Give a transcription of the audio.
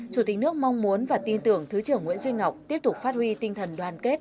chủ tịch nước mong muốn và tin tưởng thứ trưởng nguyễn duy ngọc tiếp tục phát huy tinh thần đoàn kết